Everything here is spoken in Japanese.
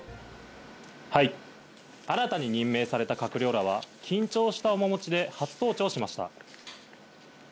新たに任命された閣僚らは、緊張した面持ちで初登頂しました。